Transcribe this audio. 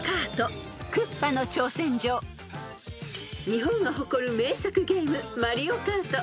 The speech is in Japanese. ［日本が誇る名作ゲーム『マリオカート』］